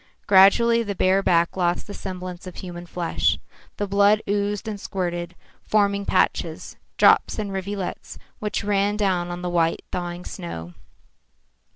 Gradually the bare back lost the semblance of human flesh. The blood oozed and squirted, forming patches, drops and rivulets, which ran down on the white, thawing snow.